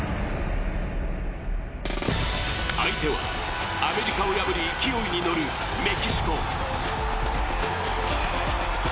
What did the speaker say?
相手はアメリカを破り勢いに乗るメキシコ。